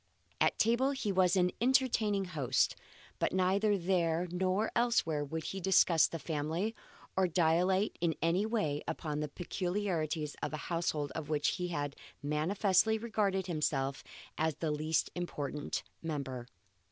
At table he was an entertaining host; but neither there nor elsewhere would he discuss the family, or dilate in any way upon the peculiarities of a household of which he manifestly regarded himself as the least important member.